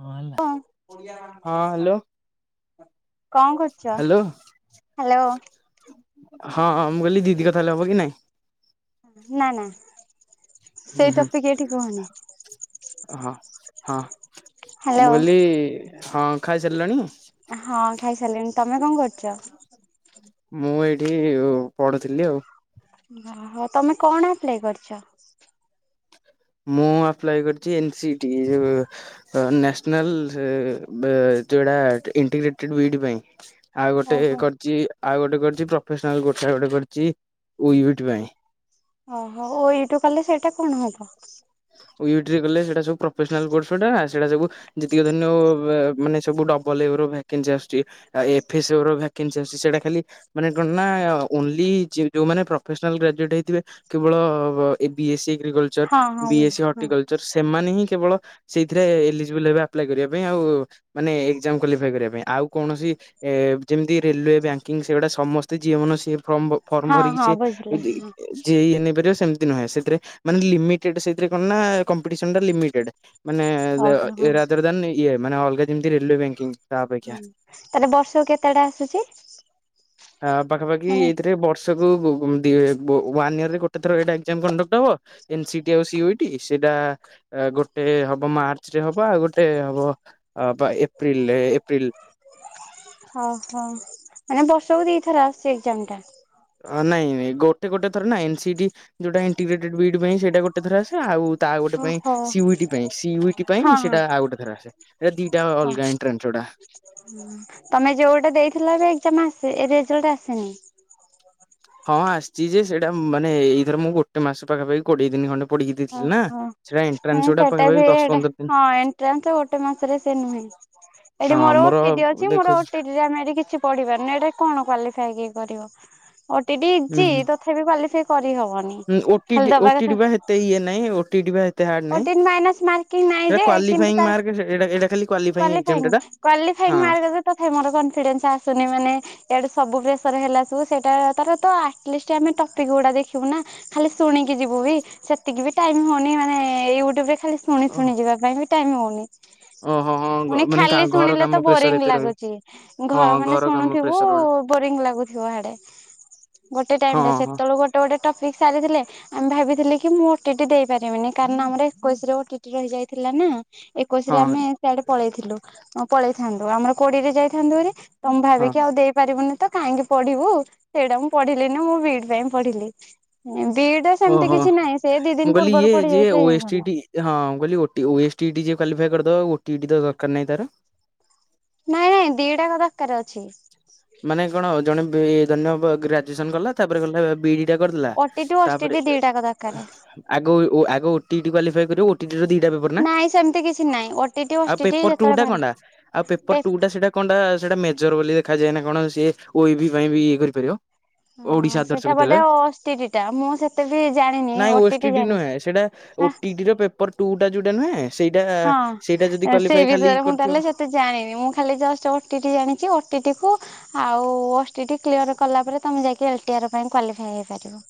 ହଁ ହେଲା। ହ ହଁ ହ୍ୟାଲୋ [unintelligible] କଁ କରୁଚ? ହ୍ୟାଲୋ ହାଲୋ ହଁ ହଁ ମୁଁ କଇଲି ଦିଦି କଥା ହେଲେ ହବ କି ନାଇଁ? ନା ନା ସେ ହୁଁ ହୁଁ ଟପିକ୍ ଏଠି କୁହନି। ହଁ ହଁ ହ୍ୟାଲୋ ମୁଁ କଇଲି ହଁ ଖାଇସାରିଲଣି? ହଁ ଖାଇସାରିଲେଣି। ତମେ କଣ କରୁଚ? ମୁଁ ଏଇଠି ପଢୁଥିଲି ଆଉ। ଓହୋ। ତମେ କଣ ଆପ୍ଲାଇ କରିଚ? ମୁଁ ଆପ୍ଲାଇ କରିଚି ଏନ୍ ସି ଟି ଏ ଯୋଉ ନ୍ୟାସିନାଲ୍ ଯୋଉଟା ଇଣ୍ଟିଗ୍ରେଟେଡ୍ ବିଡି ପାଇଁ। ଆଉ ଗୋଟେ ଓହୋ କରିଚି ଆଉ ଗୋଟେ କରିଚି ପ୍ରଫେସ୍ନାଲ୍ ଗୋଟେ ଗୋଟେ କରିଚି ଉଈ ଇଟ୍ ପାଇଁ। ଓହୋ ଓ ଇଟ୍ କଲେ ସେଇଟା କଣ ହବ? ଉଇ ଟି କଲେ ସେଇଟା ସବୁ ପ୍ରଫେସ୍ନାଲ୍ କୋର୍ସ ଟା ସେଟା ସବୁ ଯେତିକି ଦିନ ମାନେ ସବୁ ଡବଲ୍ ଇଏରୁ ଭ୍ୟାକେନ୍ସି ଆସୁଚି। ଏଫେନ୍ସସି ଇଏ ରୁ ଭ୍ୟାକେନ୍ସସି ଚାର୍ଜ ସେଟା ଖାଲି ମାନେ କଣ ନା ଓନ୍ଲି ଯୋଉମାନେ ପ୍ରଫେସ୍ନାଲ୍ ଗ୍ରାଜୁଟ୍ ହେଇଥିବେ କେବଳ ଏ ବିଏସ ସି ଏଗ୍ରିକଲଚର୍ ହଁ ହଁ ବି ବୁଝ ଏସ୍ ସି ହଁ ହର୍ଟିକଲଚର୍ ସେମାନେ ହିଁ କେବଳ ସେଇଥିରେ ଏଲିଜିବଲ ହେ ଆପ୍ଲାଏ କରିବା ପାଇଁ ଆଉ ମାନେ ଏକ୍ଜାମ୍ କ୍ୱାଲିଫାଇ କରିବା ପାଇଁ ଆଉ କୌଣସି ଏ ଯେମିତି ରେଲିୱେ ବ୍ୟାଙ୍କିଙ୍ଗ୍ ସେଗୁଡା ସମସ୍ତେ ଯିଏ ମାନେ ସିଏ ଫର୍ମ ପକ୍ ଫର୍ମ ହଁ ଭରିକି ହଁ ସେ ବୁଝିଲି ହଁ ଦେଇଦେଉଚି। ଯିଏ ଇଏ ନେଇପାରିବ ସେମିତି ନୁହେଁ ସେଥିରେ ମାନେ ଲିମିଟେଡ୍ ନା କମ୍ପିଟେସନ୍ ଟା ଲିମିଟେଡ୍। ମାନେ ଓହୋ ହଁ। ଏରାଜରଦାନି ଇଏ ମାନେ ଅଲଗା ଯେମିତି ରେଲିୱେ ବ୍ୟାଙ୍କିଙ୍ଗ୍। ହୁଁ ତାହେଲେ ବର୍ଷକୁ କେତେ ଟା ଆସୁଚି? ଅ ପାଖାପାଖି ଏଇଥିରେ ବର୍ଷ ଷକୁ ଦି ୱନ୍ ଇର୍ ରେ ଗୋଟେ ଥର ଏଇଟା [inaudible] ହବ ଏନ୍ସି ଏନ୍ସି ଆଉ ସିଓଟି ସେଇଟା ଗୋଟେ ହବ ମାର୍ଚ୍ଚ ରେ ହବ ଆଉ ଗୋଟେ ହବ ଏପ୍ରିଲ୍ ରେ ଏପ୍ରିଲ୍। ଓହୋ। ମାନେ ବର୍ଷକୁ ଦିଥର ଆସୁଚି ଏକ୍ଜାମ୍ ଟା? ଅ ନାଇଁ ଗୋଟେ ଗୋଟେ ଥର ଏ ନ୍ସି ଡି ଯୋଉଟା ଇଣ୍ଗିକେଟେ ଡ୍ ବି ଡି ପାଇଁ ସେଇଟା ଗୋଟେ ଥର ଆସେ ଆଉ ତା ଗୋଟେ ପାଇଁ ଓହୋ ସି-ୟୁ-ଟି ପାଇଁ ସି-ୟୁ-ଟି ହଁ ପାଇଁ ହଁ। ସେଇଟା ଆଉ ଗୋଟେ ଥର ଆସେ। ଏ ଦିଟା ହଁ ଅଲଗା ଏଣ୍ଟ୍ରାନ୍ସ ଗୁଡା। ତମେ ଯୋଉଟା ଦେଇଥିଲା ଏବେ ଏକ୍ଜାମ ଆସେ ଏ ରେଜଲ୍ଟ ଆସେନି ହଁ ଆସିଛି ଯେ ସେଇଟା ମାନେ ଏଇଥର ମୁଁ ଗୋଟେ ମାସ ପାଖାପାଖି କୋଡିଏ ଦିନ ଖଣ୍ଡେ ପଡିକି ଦେଇଥିଲି ନା ଓହୋ। ସେଇଟା ଏଣ୍ଟ୍ରାନ୍ସ ନାଇଁ ଗୁଡା ସେଟା ପାଖାପାଖି ବି ଦଶ ଏଟା ପନ୍ଦର ଦିନ ହଁ ଏଣ୍ଟ୍ରାନ୍ସ ଗୋଟେ ମାସରେ ସେ ନୁହେଁ। ଏଠି ମୋର ଓଟିଟି ଅଛି ମୋର ଦେଖୁଥିଲା ଓଟିଟିରେ ଆମେ ଏଠି କିଛି ପଢିପାରୁନି ନା ଏଟା କଣ କ୍ୟାଲିଫାଇଏ କରିବ ହୁଁ ଓ-ଟି-ଇଟି ହୁଁ। ଇଯି ତ ବି କ୍ୱାଲିଫାଇ କରିହବନି। ଖାଲି ଓଟିଟି ଦବା କଥା ଓଟିଟି ବା ହେତେ ଇଏ ନାଇଁ ଓଟିଟି ବା ଏତେ ହାଡ୍ ନାହିଁ, ଓଟିଟି ମାଇନସ ମାର୍କିଂ ନାଇଁ ଯେ ସେଟା କିନ୍ତୁ କ୍ୱାଲିଫ୍ଲାଏ ତାର ମାର୍କ ଏ ଏଟା କ୍ବାଲିଫାଇଙ୍ଗ ମାର୍କଟା କ୍ୱାଲିଫାଇ ମାର୍କ ତଥାପି ମୋର କନଫିଡେନ୍ସ ଆସୁନି ମାନେ ଏଇଆଡୁ ସବୁ ପ୍ରେସର ହେଲା ସବୁ ସେଇଟା ତାର ତ ଆଟ ଲିଷ୍ଟ ଆମେ ଟପିକ ଗୁଡା ଦେଖିବୁ ନା। ଖାଲି ଶୁଣିକି ଯିବୁ ବି ସେତିକି ବି ଟାଇମ୍ ହଉନି ମାନେ ୟୁଟ୍ୟୁବ ରେ ଖାଲି ଶୁଣି ଓହ। ଶୁଣି ଯିବା ପାଇଁ ଟାଇମ୍ ହଉନି। ଓହୋ ହଁ ଫୁଣି ମାନେ ଖାଲି ଘର ଶୁଣିଲେ କାମ ତ ପ୍ରେସର ବୋରିଙ୍ଗ ଏତେ ରହିବ ଲାଗୁଛି ହଁ ଘ ମାନେ ଘର କାମ ଶୁଣୁଥିବୁ ପ୍ରେସର ଗୁଡା। ବୋରିଂ ଲାଗୁଛି। ଡେ ଗୋଟେ ହଁ ଟାଇମ୍ ରେ ହଁ ସେତେବେଳେ ଗୋଟେ ଗୋଟେ ଗୋଟେ ଟପିକ୍ ସାରିଥିଲେ ଆମେ ଭାବିଥିଲି କି ମୁଁ ଓ-ଟି-ଇଟି ଦେଇ ପାରିବିନି। କାରଣ ଆମର ଏକୋଇଶି ରେ ଓ-ଟି-ଇଟି ରହି ଯାଇଥିଲା ନା ଏକୋଇଶି ହଁ ରେ ଆମେ ଆଡେ ପଳେଇଥିଲୁ ପଳେଇଥାନ୍ତୁ ଆମର କୋଡିରେ ଯାଇଥାନ୍ତୁ ହାରି ଆମେ ହଁ ଭାବିକି ଆଉ ଦେଇପାରିବୁନି ତ କାହିଁକି ପଢିବୁ ସେଇଟା ମୁଁ ପଢିଲିନି ମୁଁ ବି-ଇ-ଡ ପାଇଁ ପଢିଲି। ବି-ଇ-ଡି ସେମିତି ଓହୋ। କିଛି ନାହିଁ ସେ ଦି ଦିନ ମୁଁ କହିଲି ପୂର୍ବରୁ ଇଏ ପଢି ଯିଏ ଯାଇଥିଲେ ଓ-ଷ୍ଟିଟ-ଟି ହେଇଥାନ୍ତା। ଟି ହଁ କହିଲି ଓଟି ଯିଏ କ୍ୱାଲିଫାଇ କରିଦବ ଓ-ଟି-ଇଟି ତ ଦରକାର ନାହିଁ ତାର? ନାଇଁ ନାଇଁ ଦିଟାକ ଦରକାର ଅଛି। ମାନେ କଣ ଜଣେ ବି ଧନ୍ୟ ଗ୍ରାଜୁଏସନ କଲା ତାପରେ ଗଲା ବି କରି ଦେଲା ଓଟିଟି ତାପରେ ଓଷ୍ଟିଟି ଦିଟାକ ଦରକାର। ଆଗ ଆଗ ଓ-ଟି-ଇଟି କ୍ୱାଲିଫ୍ଲାଏ କରିବ ଓ ଦିଟା ପେପର ନା ନାଇଁ ସେମିତି କିଛି ନାଇଁ ଓଟିଟି ଆଉ ଓଟିଟି ପେପର ଟୁ ଯେତେବେଳେ ଟା କା ବାହାରିଲା କଣ ଟା ଆଉ ପେପର ପେ ଟୁ ଟା ସେଟା କଣଟା ସେଇଟା ମେଜର ବୋଲି ଦେଖାଯାଏ ନା କଣ ସିଏ ଓ-ଏ-ଭି ପାଇଁ ବି ଇଏ କରିପାରିବ। ଓଡିଶା ହଁ ଆଦର୍ଶ ସେଟା ବିଦ୍ୟାଳୟ, ବୋଧେ ଓଟିଟି ଟା ମୁଁ ସେତେ ବି ଜାଣିନି ନାଇଁ ଓଟିଟି ଓ-ଷ୍ଟୀ-ଟି ଜାଣିନି। ନୁହେଁ ସେଟା ଓ ଆ ଟିଡିର ପେପର ଟୁ ଟା ଯୋଉଟା ନୁହେଁ ସେଇଟା ସେଇଟା ଯଦି କ୍ୱାଲିଫ୍ଲାଏ ଖାଲି କରିଥିବ ତ ଜାଣିନି ମୁଁ ଖାଲି ଜଷ୍ଟ ଓ-ଟି-ଟି ଜାଣିଛି ଓ-ଟି-ଟି କୁ ଆଉ ଓଷ୍ଟେ ଓଟିଇଟି କ୍ଲିୟର କଲା ପରେ ତମେ ଯାଇକି ଏଟିଆର ପାଇଁ କ୍ୱାଲିଫ୍ଲାଏ ହେଇପାରିବ।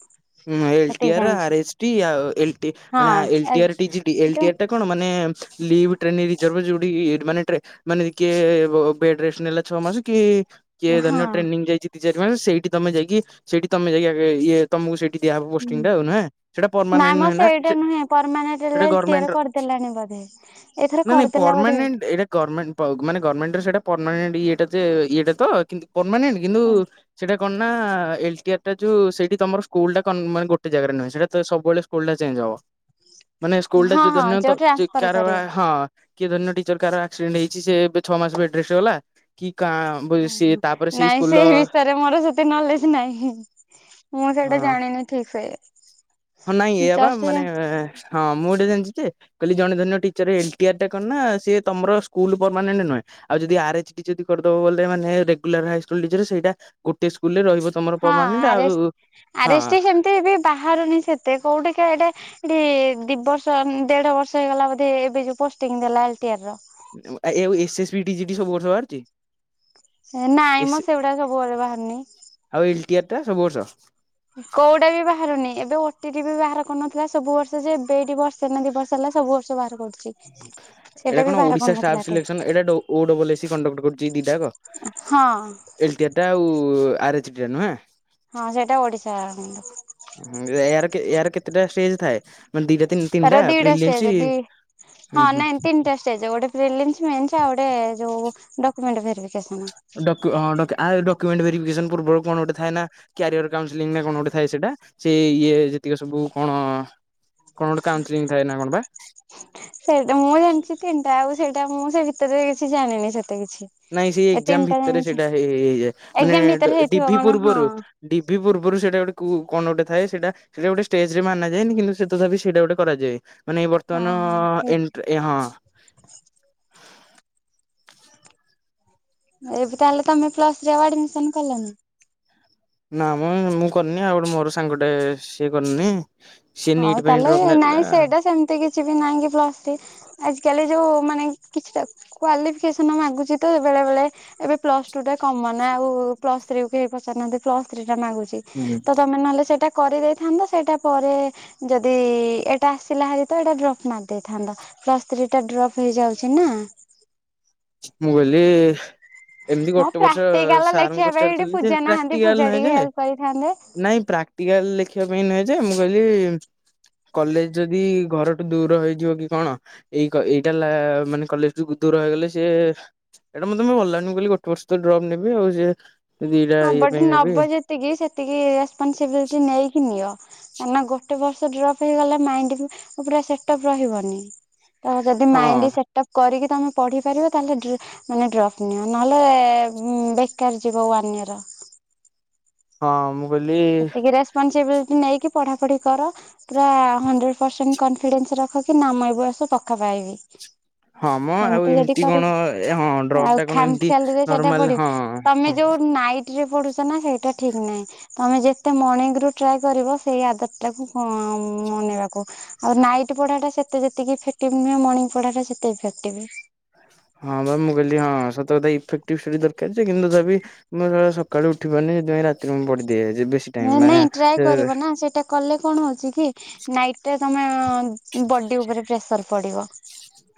ହଁ ଏଲଟି ସେତିକି ଆର ଜାଣିଛି ଆର୍ ଏସ୍ ଟି ଆଉ ଏଟି ମାନେ ହଁ ଏଲ ଲଟିଆର ଏଜିଟି ଯୋଉ ଏଟିରାଟା କଣ ମାନେ ଲିଭ ଟ୍ରେନେ ରିଜର୍ଭ ଯୋଉଠି ମାନେ ଟେ ମାନେ ଟିକଏ ବେଡ୍ ରେଷ୍ଟ ନେଲା ଛଅ ମାସ କି କିଏ ଧନ୍ୟ ହଁ। ଟ୍ରେନିଂ ଯାଇଛି ଦି ଚାରି ମାସ ସେଠି ତମ ଯାଇକି ସେଇଠି ତମେ ଯାଇକି ଇଏ ତମକୁ ସେଠି ଦିଆ ହବ ପୋଷ୍ଟିଙ୍ଗ ଟା ନା, ସେଟା ନାଇଁ ପରମାନେଟେ ମ ନୁହେଁ ନା ସେଇଟା ନୁହେଁ ପରମାନେଣ୍ଟ ସେଟା ଏଲଟିଆର ଗଭମେଣ୍ଟ କରିଦେଲାଣି ବୋଧେ। ଏଥର ନା ନାଇଁ କରିଦେଲା ବୋଧେ ପରମାନଣ୍ଟ ଏଟା ଗଣମେଣ୍ଟ ମାନେ ଗର୍ଣ୍ଣମେଣ୍ଟ ର ସେଇଟା ପରଣ୍ଟ ଇଏଟା ଇଟା ତ କିନ୍ତୁ ପରମାନେଣ୍ଟ କିନ୍ତୁ ହଁ ସେଇଟା କଣ ନା ଏଲ ଟି ଆର ଟା ଯୋଉ ସେଇଠି ତମର ସ୍କୁଲ ଟା କନ ମା ଗୋଟେ ଜାଗାରେ ନାହଁ ସେଟ ତ ସବୁବେଳେ ସ୍କୁଲଟା ଚେଞ୍ଜ ହବ। ମାନେ ସ୍କୁଲ ଟା ହଁ ଯ ହଁ ଧନ୍ୟ ଯୋଉ ତ ଯେ ଟ୍ରାନ୍ସଫର କାର କରିବ। ହଁ କିଏ ଧନ୍ୟ ଟିଚର କାହାର ଆକ୍ସିଡେଣ୍ଟ ହେଇଛି ସେ ଏବେ ଛଅ ମାସ ବେଡ୍ ରେଷ୍ଟ୍ ଗଲା କି କା ସିଏ ଓ ତାପରେ ସେଇ ନାଇଁ ସେ ସ୍କୁଲର ହେଇ ମୋର ସେତେ ନଲେଜ ନାହିଁ, ମୁଁ ସେଇଟା ହଁ ଜାଣିନି ଠିକ୍ ସେ। ହଁ ନାଇଁ ଏଇଆ ବା ଜଷ୍ଟ ମାନେ ହଁ ମୁଁ ଗୋଟେ ଜାଣିଛି ଯେ କଲି ଜଣେ ଧରିନିଅ ଟିଚର ଏନ୍ ଟି ଆର ଟା କଣ ନା ସିଏ ତମର ସ୍କୁଲ ପରମାନେଣ୍ଟ ନୁହେଁ। ଆଉ ଯଦି ଆର୍ ଏଚ ଡି ଯଦି କରିଦବ ବଲେ ମାନେ ରେଗୁଲାର ହାଇସ୍କୁଲ ଟିଚର ସେଇଟା ଗୋଟେ ସ୍କୁଲ ରେ ରହିବ ତମର ହଁ ପରମାନେଣ୍ଟ ଆଉ ଆରେଷ୍ ହଁ ଆରେ ଷ୍ ସେମତି ଏତେ ବି ବାହାରୁନି ସେତେ କୋଉଠିକ ଏଟା ଏଠି ଦି ବର୍ ଷ ଦେଢ ବର୍ଷ ହେଇଗଲା ବୋଧେ ଏବେ ଯୋ ପୋଷ୍ଟିଙ୍ଗ ଦେଲା ଆଇ ଟି ଆର୍ ର। ଏ ୟୋ S S B T GT ସବୁ ବର୍ଷ ବାହାରଛି? ନାଇଁ ମଁ ସେଗୁଡା ସବୁବେଳେ ବାହାରିନି। ଆଉ ଏଲ୍ ଟି ଆର ଟା ସବୁ ବର୍ଷ। କୋଉଟା ବି ବାହାରିନି ଏବେ ଓଟି ଟି ବି ବାହାର କରୁନଥିଲା ସବୁ ବର୍ଷ ଯେ ଏବେ ଏଠି ବର୍ଷ ଷେ ନା ଦି ବର୍ଷ ହେଲା ସବୁ ବର୍ଷ ବାହାର କରୁଛି। ସେଇଟା ଏଇଟା ବି କଣ ବାହାର ଓଡିଶା କରୁନଥିଲା ଷ୍ଟାଫ୍ ଟେ ସିଲେକ୍ସନ ଏଇଟା ଓ ଡବଲ ଏସି କଣ୍ଡକ୍ଟ କରୁଛି ଦିଟାଙ୍କ? ହଁ। ଏଲ ଟିଆ ଟା ଆଉ-ଉ-ଉ-ଉ ଆର ଏଚ୍ ଡି ଟା ନୁହେଁ? ହଁ ସେଇଟା ଓଡିଶା ର [unintelligible] ହୁଁ ଏହାର ଏହାର କେତେଟା ଷ୍ଟେଜ ଥାଏ? ମାନେ ଦିଟା ତିନ ତିନିଟା ତାର ଦିଟା ଷ୍ଟେଜ ପ୍ରିଲିମ୍ସ ଦି ହୁଁ ହଁ ହୁଁ। ନାଇଁ [unintelligible] ଗୋଟେ ପରିମିଲିନ୍ସ [unintelligible] ଆଉ ଗୋଟେ-ଏ-ଏ-ଏ ଯୋଉ-ଉ-ଉ ଡକୁମେଣ୍ଟ ଭେରିଫିକେସନ। ହଁ ଡକ୍ୟୁ [unintelligible] ଡକ୍ୟୁମେଣ୍ଟ ଭେରିଫିକେସ ପୂବରୁ କଣ ଗୋଟେ ଥାଏ ନା କ୍ୟାରିୟର କାଉନସେଲିଂ ନା କଣ ଗୋଟେ ଥାଏ ସେଇଟା ସେ ଇଏ ଯେତିକି ସବୁ କଣ-ଅ-ଅ କଣ ଗୋଟେ କାଉନସିଲିଂ ଥାଏ ନା କଣ ବା? ସେଇଟା ମୁଁ ଜାଣିଛି ତିନିଟା ଆଉ ସେଇଟା ମୁଁ ସେ ଭିତରେ କିଛି ଜାଣିନି ସେତେ କିଛି। ନାଇଁ ସେଇ ଏ ଏକ୍ଜାମ ତିନିଟା ଭିତରେ ଜାଣିଛି ସେଇଟା ହେଇ ହେଇଯାଏ ମାନେ ଏକ୍ଜାମ ଭିତରେ ଡି ହେଇଥିବ ଭି କଣ ହଁ। ପୂର୍ବରୁ। ଡିି ଭି ପୂର୍ବରୁ ସେଇଟା ଗୋଟେ କୋ କଣ ଗୋଟେ ଥାଏ ସେଇଟା। ସେଟା ଗୋଟେ ଷ୍ଟେଜ ରେ ମାନା ଯାଏନି କିନ୍ତୁ ସେ ତଥାପି ସେଇଟା ଗୋଟେ କରାଯାଏ। ମାନେ-ଏ-ଏ ହଁ ହଁ ହେଇଥିବ। ବର୍ତ୍ତମାନ-ଅ-ଅ-ଅ ଏ ହଁ। ଏବେ ତାହେଲେ ତମେ ପ୍ଲସ ଥ୍ରୀ ରେ ଆ ଆଡମିସନ କଲନି? ନା ମ ମୁଁ କରିନି ଆଉ ଗୋଟେ ମୋର ସାଙ୍ଗଟେ-ଏ-ଏ-ଏ ସିଏ କରିନି। ସିଏ ନିଟ୍ ହଉ ପାଇଁ ତାହଲେ ଡ୍ରପ୍ ନାଇଁ ନେଲା ସେଇଟା ସେମିତି କିଛି ବି ନାଇଁ କି ପ୍ଲସ ଥି ଆଜ କାଲି ଯୋଉ ମାନେ କିଛିଟା କ୍ଵାଲିଫିକେସନ ମାଗୁଛି ତ ବେଳେ ବେଳେ ଏବେ ପ୍ଲସ ଟୁ ଟା କମନ ଆଉ-ଉ-ଉ ପ୍ଲସ୍ ଥ୍ରୀ କୁ କେହି ପଚାରୁନାହାନ୍ତି ପ୍ସ ଥ୍ରୀ ଟା ମାଗୁଛି ତମେ ନହେଲେ ସେଇଟା କରିଦେଇଥାନ୍ତ ସେଇଟା ପରେ ଯଦି-ଇ-ଇ-ଇ ଏଇଟା ଆସିଲା ହାରି ତ ଏଇଟା ଡ୍ରପ୍ ମାରି ଦେଇଥାନ୍ତ। ପ୍ଲସ ଥ୍ରୀ ଟା ଡ୍ରପ୍ ହେଇଯାଉଛି ନା। ମୁଁ କହିଲି-ଇ-ଇ ଏମିତି ହଁ ଗୋଟେ ବର୍ଷ ପ୍ରାକ୍ଟିକାଲ ସାର୍ ଲେଖିବା ଙ୍କୁ ପାଇଁ ଏଠି ପଚାରଥିଲେ ଯେ ପୂଜା ନାହାନ୍ତି ପ୍ରାକ୍ଟିକାଲ ପୂଜା ନାହିଁ ଟିକେ ନା ହେଲ୍ପ କରିଥାନ୍ତେ। ନାଇଁ ପ୍ରାକ୍ଟିକାଲ ଲେଖିବା ପାଇଁ ନୁହେଁ ଯେ ମୁଁ କହିଲି-ଇ-ଇ କଲେଜ ଯଦି-ଇ-ଇ ଘରଠୁ ଦୂର ହେଇଯିବ କି କଣ ଏଇକ ଏଇଟା ଲା-ଆ-ଆ ମାନେ କଲେଜ କୁ ଦୂର ହେଇଗଲେ ଯେ-ଏ-ଏ ଏଇଟା ମୁ ତ ଅନଲାଇନ କହିଲି ଗୋଟେ ବର୍ଷ ତ ଡ୍ରପ୍ ନେବି ଆଉ ଯେ ଦିଟା ଇଏ ପାଇଁ ନେବି। ଏତିକି ସେତିକି ରେସପନସିବିଲିଟି ନେଇକି ନିଅ। ମାନେ ଗୋଟେ ବର୍ଷ ଡ୍ରପ୍ ହେଇଗଲା ମାଇଣ୍ଡ ପୁରା ସେଟପ ରହିବନି। ତ ଯଦି ହଁ ମାଇଣ୍ଡ ସେଟ ଅପ୍ କରିକି ତମେ ପଢିପାରିବ ତାହେଲେ ଡ୍ରି ମାନେ ଡ୍ରପ ନିଅ ନହେଲେ-ଏ-ଏ-ଏ ଉ ବେକାର ଯିବ ୱାନ ଇୟର। ହଁ ମୁଁ କଇଲି-ଇ-ଇ-ଇ ପଞ୍ଚେଇବିଲ୍ଟି ନେଇକି ପଢ଼ା ପଢି କର ପୁରା ହଣ୍ଡ୍ରେଟ୍ ପରସେଣ୍ଟ କନଫିଡେନ୍ସ ରଖ କି ନା ମୁଁ ଏବର୍ଷ ପକ୍କା ପାଇବି। ହଁ ମ ଆଉ ସେମ୍ତି ଯଦି ଏମିତି କଣ ହଁ କରିକି ଡ୍ରପ୍ ଆଉ ଟା କଣ ଖାମ୍ ଏମିତି ଖିଆଲିରେ ସେଇଟା ନର୍ମାଲ ପଡି ହଁ ତମେ ଯୋଉ ନାଇଟ୍ ରେ ପଢ଼ୁଚ ନା ସେଇଟା ଠିକ୍ ନାହିଁ। ତମେ ଯେତେ ମଣିଙ୍ଗ ରୁ ଟ୍ରାଏ କରିବ ସେଇ ଆଦତ୍ ଟାକୁ [unintelligible] ମନେଇବାକୁ। ଆଉ ନାଇଟ୍ ପଢାଟା ସେତେ ଯେତିକି ଇଫେକ୍ଟିଭ୍ ନୁହେଁ, ମଣିଙ୍ଗ ପଢାଟା ସେତେ ଇଫେକ୍ଟିଭ୍। ହଁ ବା ମୁଁ କହିଲି ହଁ, ସତ କଥା ଇଫେକ୍ଟିଭ୍ ସେଠି କହିଲେ ଦରକାର ଯେ କିନ୍ତୁ ତଥାବି ମୁଁ ସବୁବେଳେ ସକାଳୁ ଉଠି ପାରୁନି ସେଥିପାଇଁ ରାତିରେ ମୁଁ ପଢ଼ିଦିଏ ଯେ ବେଶୀ ଟାଇମ୍, ମାନେ ନାଇଁ ଟ୍ରାଏ କରିବ ଫେରେ ନା ସେଇଟା କଲେ କଣ ହଉଚି କି, ନାଇଟ୍ ରେ ତମ ବଡି ଉପରେ ପ୍ରେସର୍ ପଡିବ।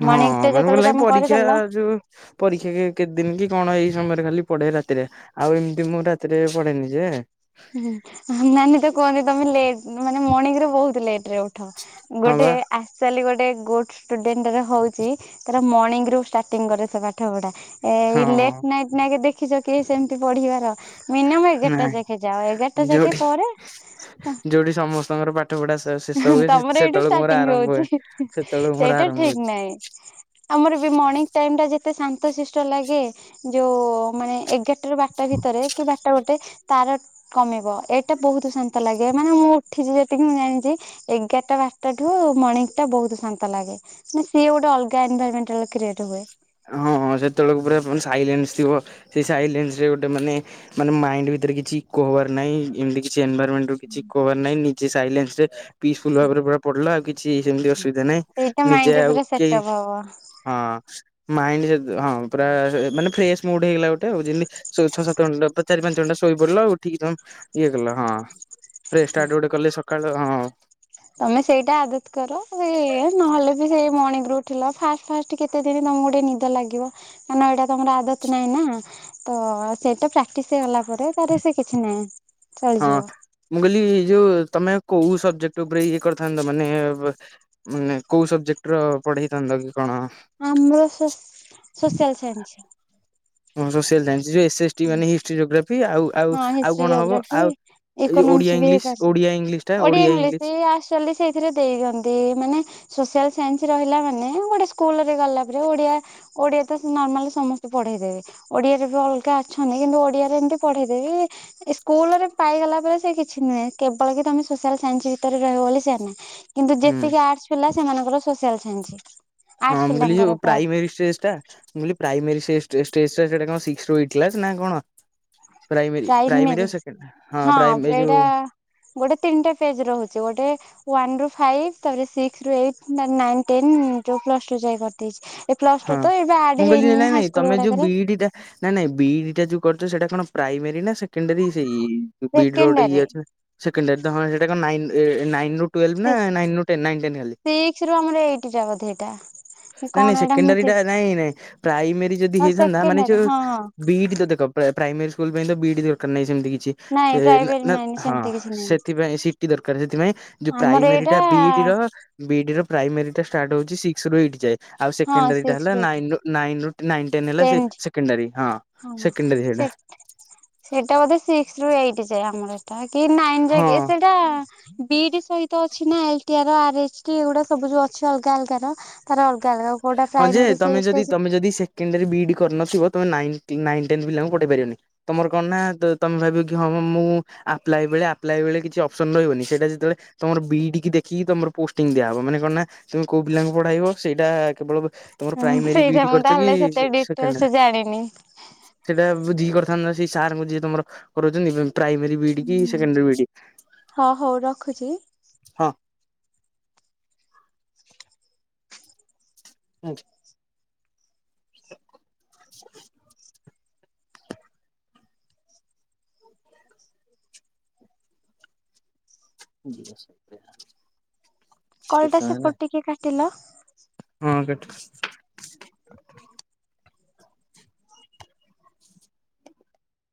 ହଁ, ମର୍ଣ୍ଣିଂ ଟା ମାନେ ମୁଁ ଯେତେବେଳେ କଇଲି ନାଇଁ ତମେ ପରୀକ୍ଷା କରିଦେଲ ଯୋଉ ପରୀକ୍ଷା କେତେ ଦିନ୍ କି କଣ ଏଇ ସମୟରେ ଖାଲି ପଢେ ରାତିରେ, ଆଉ ଏମ୍ତି ମୁଁ ରାତିରେ ପଢେନି ଯେ। ହୁଁ ନାନୀ ତ କୁହନ୍ତି ତମେ ଲେଟ୍ ମାନେ ମର୍ଣ୍ଣିଙ୍ଗରେ ବହୁତ୍ ଲେଟ୍ ରେ ଉଠ। ହଁ ଗୋଟେ ବା ଆକ୍ଚୁଆଲି ଗୋଟେ ଗୋଟ୍ ଷ୍ଟୁଡେଣ୍ଟର ହୋଉଚି ତାର ମର୍ନିଙ୍ଗ ରୁ ଷ୍ଟାର୍ଟିଂଙ୍ଗ କରେ [unintelligible] ପାଠପଢା। ଏଇ ହଁ ଲେଟ୍ ନାଇଟ୍ ନାଁକେ ଦେଖିଚ କି ସେମ୍ତି ପଢିବାର ମିନିୟମ୍ ଏଗାରଟା ନାଇଁ ଯାକେ ଆଉ ଏଗାର୍ଟା ଯାକେ ଯୋଉଠି ପରେ ତ ଯୋଉଠି ସମସ୍ତଙ୍କର ପା ଇଁହି ତମର ଏଇଠୁ ଷ୍ଟାଟିଙ୍ଗ୍ ଆରମ୍ଭ ହୁଏ ହୋଉଚି, ହିଁ-ହିଁ ସେତେବେଳକୁ ମୋର ସେଇଟା ଆରମ୍ଭ ହୁଏ। ଠିକ୍ ନାହିଁ। ଆମର ବି ମର୍ଣିଂ ଟାଇମ୍ ଟା ଯେତେ ଶାନ୍ତଶିଷ୍ଟ ଲାଗେ, ଯୋଉ ମାନେ ଏଗାର୍ ଟା ରୁ ବାରଟା ଭିତରେ, କି ବାରଟା ଗୋଟେ [unintelligible] କମିବ ଏଟା ବହୁତ୍ ଶାନ୍ତ ଲାଗେ, ମାନେ ମୁଁ ଉଠିଚି ଯେତିକି [unintelligible] ଜାଣିଚି, ଏଗାର୍ଟା ବାର୍ଟା ଠୁ ମର୍ଣିଙ୍ଗ ଟା ବହୁତ୍ ଶାନ୍ତ ଲାଗେ। ନା ସିଏ ଗୋଟେ ଅଲଗା ଏନଭାର୍ମେଣ୍ଟାଲ୍ କ୍ରିଏଟ୍ ହୁଏ। ହଁ-ହଁ ସେତବେଳୁକୁ ପୁରା ମାନେ ସାଇଲେନ୍ସ ଥିବ, ସେଇ ସାଇଲେନ୍ସ ରେ ଗୋଟେ ମାନେ ମାନେ ମାଇଣ୍ଡ ଭିତରେ କିଛି ଇକୋ ହବାର ନାହିଁ, ଏମ୍ତି କିଛି ଏନଭରମେଣ୍ଟ ରୁ କିଛି ଇକୋ ହବାରେ ନାହିଁ, ନିଜେ ସାଇଲେନ୍ସ ରେ ପିସ୍ଫୁଲ୍ ଭାବରେ ପୁରା ପଡିଲା ଆଉ କିଛି ସେମ୍ତି ଅସୁବିଧା ନାହିଁ, ସେଇଟା ନିଜେ ମାଇଣ୍ଡରେ ଆଉ ପୁରା କେଇ ସେଟଅପ୍ ହବ ହଁ ମାଇଣ୍ଡରେ ଜଦି ହଁ ପୁରା ଏ ମାନେ ଫ୍ରେସ୍ ମୁଡ୍ ହେଇଗଲା ଗୋଟେ ଆଉ ଯେମ୍ତି [unintelligible] ଛଅ ସାତ ଘଣ୍ଟା ପୁରା ଚାରି ପାଞ୍ଚ ଘଣ୍ଟା ସୋଇ ପଡ଼ିଲ ଆଉ ଉ ଠିକି ତମ୍ ଇଏ କଲ ହଁ ପ୍ରେ ଷ୍ଟାର୍ଟ ଗୋଟେ କଲେ ସକାଳୁ ହଁ। ତମେ ସେଇଟା ଆଦତ୍ କର, ସେଇ ଇଏ ନହେଲେ ବି ସେଇ ମଣିଙ୍ଗ୍ ରୁ ଉଠିଲ ଫାଷ୍ଟ ଫାଷ୍ଟ କେତେ ଦିନି ତମୁକୁ ଟିକେ ନିଦ ଲାଗିବ, କାରଣ ଏଇଟା ତମର ଆଦତ୍ ନାଇଁ ନା। ତ ସେଇଟା ପ୍ରାକ୍ଟିସ୍ ହେଇଗଲା ପରେ ତାରେ ସେ କିଛି ନାହିଁ। ହଁ ଚଳିଯିବ ମୁଁ କଇଲି ଯୋଉ ତମେ କୋଉ ସବଜେକ୍ଟ ଉପରେ ଇଏ କରିଥାନ୍ତ ମାନେ ବ୍ ମାନେ କୋଉ ସବଜେକ୍ଟ ର ପଢେଇଥାନ୍ତ କି କଣ? ଆମର ସୋସ୍ ସୋସିଆଲ୍ ସାଇନ୍ସ। ତମର ସୋସିଆଲ୍ ସାଇନ୍ସ ଯୋଉ ଏସେ ଏସ୍ ଟି ମାନେ ହିଷ୍ଟ୍ରି ଜୋଗ୍ରାଫି ହଁ ଆଉ-ଆଉ-ଆଉ ହିଷ୍ଟ୍ରି କଣ ହବ ଜୋଗ୍ରାଫି ଆଉ ଏ ଯୋଉ ଓଡିଆ ଇକୋନୋମିକ୍ସ ବି ଇଂଲିଶ୍ ହେଇପାରେ ଓଡିଆ ଇଂଲିଶ୍ ଓଡିଆ ଇଂଲିଶ୍ ସେଇ [unintelligible] ସେଇଥିରେ ଦେଇ ଦିଅନ୍ତି, ମାନେ ସୋସିଆଲ୍ ସାଇନ୍ସ ରହିଲା ମାନେ ଗୋଟେ ସ୍କୁଲରେ ଗଲା ପରେ ଓଡିଆ ଓଡିଆ ତ ସେ ନର୍ମାଲି ସମସ୍ତେ ପଢେଇ ଦେବେ, ଓଡିଆରେ ବି ଅଲ୍ ଗା [unintelligible] କିନ୍ତୁ ଓଡିଆରେ ଏମ୍ତି ପଢେଇଦେବି। ଏ ସ୍କୁଲରେ ପାଇଗଲା ପରେ ସେ କିଛି ନୁହେଁ, କେବଳ କି ତମେ ସୋସିଆଲ୍ ସାଇନ୍ସ ଭିତରେ ରହିବ ବୋଲି ସେଆର୍ ନା। କିନ୍ତୁ ହୁଁ ଯେତିକି ଆର୍ଟସ୍ ପିଲା ସେମାନଙ୍କର ସୋସିଆଲ୍ ସାଇନ୍ସି, ଆର୍ଟସ୍ ପିଲାଙ୍କର ପ୍ରାୟ। ଏଇ [unintelligible] ଟା ମୁଁ କଇଲି ପ୍ରାଇମେରୀ ସେଇ ଷ୍ଟେସ ଷ୍ଟେଜ ଟା ସିକ୍ସ ରୁ ଏଇଟ୍ କ୍ଲାସ ନା କଣ? ପ୍ରାଇମେରୀ ପ୍ରାଇମେରୀ ଆଉ ସେକଣ୍ଡ ଟା ହଁ ପ୍ରାଇମେ ଏ ଯୋଉ ଗୋଟେ ତିନଟା ଫେଜ୍ ରୋହୁଚି ଗୋଟେ ୱାନ ରୁ ଫାଇଭ୍ ତାପରେ ସିକଶ୍ ରୁ ଏଇଟ୍ ନା ନାଇନ୍ ଟେନ ଯୋଉ ପ୍ଲସ ଟୁ ଯାଏ କରି ତି ଏ ପ୍ଲସ ଟୁ ହଁ ତ ଏବେ ମୁଁ ଆଡ କହିଲି ହେଇନି ନାଇଁ ନାଇଁ ହାଇସ୍କୁଲ୍ ତମେ ଯୋଉ ଗୁଡାକରେ। ବିଇଡି ଟା ନାଇଁ ନାଇଁ ବିଡି ଟା ଯୋଉ କରୁଛ ସେଇଟା କଣ ପ୍ରାଇମାରୀ ନା ସେକେଣ୍ଡାରୀ ସେଇ ବି ଡ୍ ର ଗୋଟେ ସେକେଣ୍ଡାରୀ ଇଏ ଅଛି। ସେକେଣ୍ଡରି ତ ହଁ ସେଟା ନନାନ୍ ଏ ନାଇନ୍ ରୁ। ଟୁୱେଲ୍ଭ ନା ନାଇନ୍ ରୁ ଟେନ୍ ନାଇନ୍‌ ରୁ ଟେନ୍ ସିକ୍ସ ରୁ ଆମର ଏଇଟ ଟା ବୋଧେ ଏଇଟା କି କଣ ଗଲେ। ଏଇଟା ମୁଁ ସେକେଣ୍ଡାରିଟା ଠିକ ନାଇଁ ନାଇଁ ପ୍ରାଇମେରୀ ଯଦି ଆଉ ହେଇଥାନ୍ତା ମାନେ ସେକେଣ୍ଡାରୀ ଯୋଉ ହଁ ହଁ ବିଇଡି ତ ଦେଖ ପ୍ରାଇମୋରୀ ସ୍କୁଲ ପାଇଁ ତ ବଇଡି ଦରକାର ନାହିଁ ସେମିତି କିଛି। ସେ ନାଇଁ ନା ପ୍ରାଇଭେଟ ନା ନାଇଁ ହଁ ସେମିତି କିଛି ନାହିଁ ସେଥିପାଇଁ ସିଟି ଦରକାର ସେଥିପାଇଁ ଯୋଉ ଆମର ପ୍ରାଇମେରୀ ଏଇଟା ଟା ବିଡି ର ବିଇଡ୍ ର ପ୍ରାଇମାରୀ ଟା ଷ୍ଟାର୍ଟ ହଉଛି ସିକସ ରୁ ଏଇଟ ଯାଏ ଆଉ ହଁ ସେକେଣ୍ଡାରୀ ସିକ୍ସ ହେଲା ଏଇଟ ନାଇନ ରୁ ନାଇନ୍ ରୁ ନାଇନ୍ ଟେନ୍ ହେଲା ଟେନ ସେକେଣ୍ଡାରୀ ହଁ ହଁ ସେକଣ୍ଡାରୀ ସେ ସେଇଟା। ସେଇଟା ବୋଧେ ସିକ୍ସ ରୁ ଏଇଟ ଯାଏ ଆମର ଏଟା କି ନାଇନ ଯାକ ହଁ ସେଇଟା ବିଇଡି ସହିତ ଅଛି ନା ଏଲଟିର ଆର ଏଚ ଟି ଏଗୁଡା ସବୁ ଯୋଉ ଅଛି ଅଲଗା ଅଲଗ ର ତାର ଅଗା କାରଣ କୋଉଟା ଫ୍ରାଇମେରି ସିଷ୍ଟି ସେ କେମିତି ବିଇଡି କରିନଥିବ ତମେ ନାଇନ୍‌ ନାଇନ୍‌ ଟେନ୍ ପିଲାଙ୍କୁ ପଠେଇ ପାରିବନି। ତମର କଣ ନା ତମେ ଭାବିବ କି ହଁଁ ମୁଁ ଆପ୍ଲଏ ବେଳେ ଆପ୍ଲଏ ବେଳେ କିଛି ଅପସନ ରହିବନି ସେଇଟା ଯେତେବେଳେ ତମର ବିଇଡି କି ଦେଖିକି ତମର ପୋଷ୍ଟିଂ ଦିଆହବ ମାନେ କହଣ ନା ତମେ କୋଉ ପିଲାଙ୍କୁ ପଢେଇବ ସେଇଟା କେବଳ ତମର ପ୍ରାଇମୋରୀ ସେଇଟା ମୁଁ ବିଇଡିକରିଛ କି ତାହେଲେ ସେତେ ଡିଟେଲସ ସେକେଣ୍ଡରି। ଜାଣିନି। ସେଇଟା ବୁଝି କି କରିଥାନ୍ତା ସେ ସାର୍ ଙ୍କୁ ଯିଏ ତମର କରୁଛନ୍ତି ପ୍ରାଇମୋରୀ ବିଇଡି କି ହୁଁ। Secondary BD. ହଁ, ହଉ ରଖୁଛି। ହଁ। ଆଜ୍ଞା। [inaudible] [unintelligible] କଲ୍ ଟା ସେପଟୁ ଟିକେ କାଟିଲ। ହଁ, କାଟୁଛି।